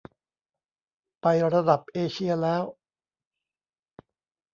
ไประดับเอเชียแล้ว !